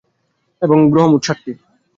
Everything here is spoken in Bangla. গ্রহ মোট সাতটি।